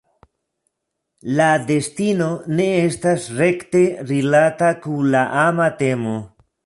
La destino ne estas rekte rilata kun la ama temo.